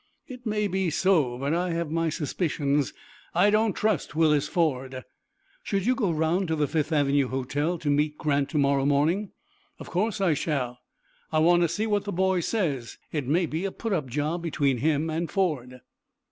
"It may be so, but I have my suspicions. I don't trust Willis Ford." "Shall you go round to the Fifth Avenue Hotel to meet Grant to morrow morning." "Of course I shall. I want to see what the boy says. It may be a put up job between him and Ford."